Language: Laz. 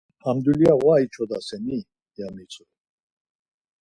Ham dulya var içodaseni?” ya mitzu.